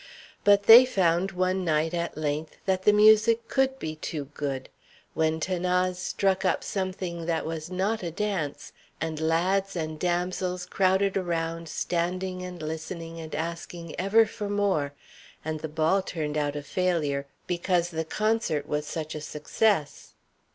But they found one night, at length, that the music could be too good when 'Thanase struck up something that was not a dance, and lads and damsels crowded around standing and listening and asking ever for more, and the ball turned out a failure because the concert was such a success.